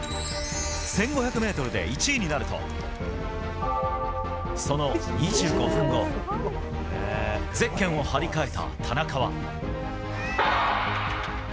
１５００メートルで１位になると、その２５分後、ゼッケンを張り替えた田中は。